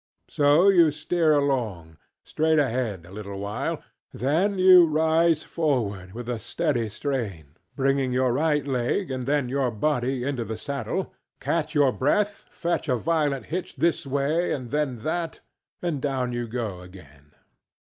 So you steer along, straight ahead, a little while, then you rise forward, with a steady strain, bringing your right leg, and then your body, into the saddle, catch your breath, fetch a violent hitch this way and then that, and down you go again.